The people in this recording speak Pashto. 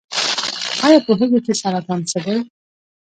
ایا پوهیږئ چې سرطان څه دی؟